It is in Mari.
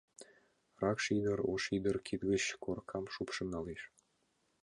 Ракш ӱдыр ош ӱдыр кид гыч коркам шупшын налеш.